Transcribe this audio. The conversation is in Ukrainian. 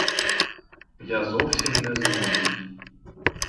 Я зовсім не злодій.